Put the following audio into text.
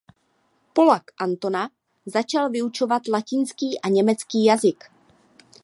Pollak Antona začal vyučovat latinský a německý jazyk.